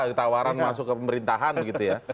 ditawaran masuk ke pemerintahan gitu ya